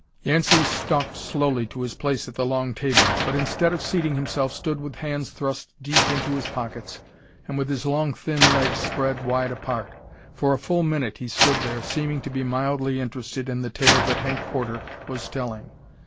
Yancey stalked slowly to his place at the long table, but instead of seating himself stood with hands thrust deep into his pockets and with his long, thin legs spread wide apart. For a full minute he stood there, seeming to be mildly interested in the tale that Hank Porter was telling.